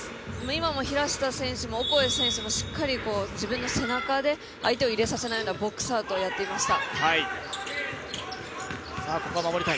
今も平下選手もオコエ選手も、しっかり自分の背中で相手を入れさせないようなボックスアウトをやっていました。